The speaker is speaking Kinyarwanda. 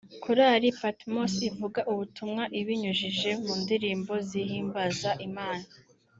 Korali Patmos ivuga ubutumwa ibinyujije mu ndirimbo zihimbaza Imana